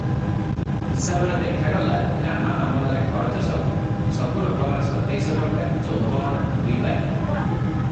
ହିସାବରେ ଦେଖାଗଲା, ରାମା ମାମଲାରେ ଖରଚ ସବୁ ସବୁ ରକମରେ ସତେଇଶ ଟଙ୍କା ଚଉଦ ଅଣା ଦୁଇପାହି ।